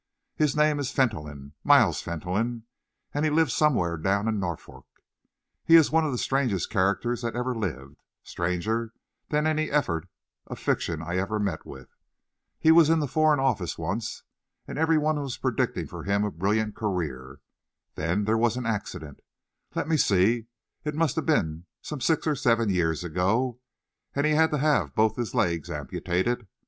"His name is Fentolin Miles Fentolin and he lives somewhere down in Norfolk. He is one of the strangest characters that ever lived, stranger than any effort of fiction I ever met with. He was in the Foreign Office once, and every one was predicting for him a brilliant career. Then there was an accident let me see, it must have been some six or seven years ago and he had to have both his legs amputated.